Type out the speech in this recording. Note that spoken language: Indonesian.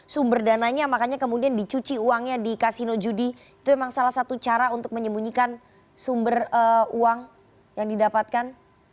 sumber dananya makanya kemudian dicuci uangnya di kasino judi itu memang salah satu cara untuk menyembunyikan sumber uang yang didapatkan